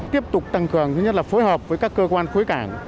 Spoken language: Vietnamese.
tiếp tục tăng cường thứ nhất là phối hợp với các cơ quan khối cảng